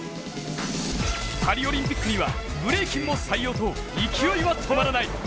パリオリンピックにはブレイキンも採用と勢いは止まらない。